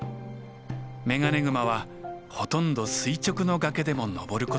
メガネグマはほとんど垂直の崖でも登ることができます。